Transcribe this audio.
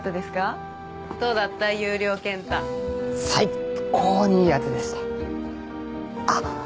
優良ケンタ最高にいいやつでしたあっ